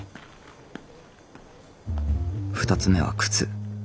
２つ目は靴。